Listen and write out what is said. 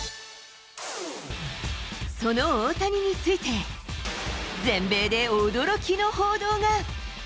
その大谷について、全米で驚きの報道が。